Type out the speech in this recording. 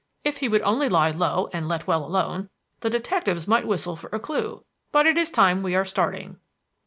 If he would only lie low and let well alone, the detectives might whistle for a clue. But it is time we are starting."